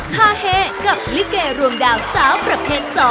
ฮาเฮกับลิเกรวมดาวสาวประเภท๒